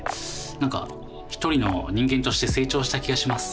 なんか１人の人間として成長した気がします。